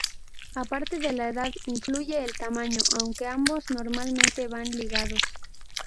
Aparte de la edad influye el tamaño, aunque ambos normalmente van ligados.